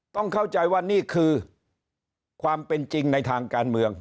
ต้องเข้าใจว่านี่คือความเป็นจริงในทางการเมือง